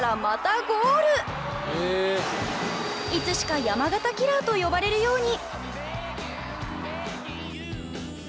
いつしか「山形キラー」と呼ばれるように。